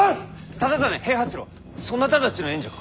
忠真平八郎そなたたちの縁者か？